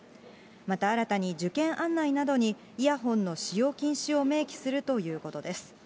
また新たに、受験案内などにイヤホンの使用禁止を明記するということです。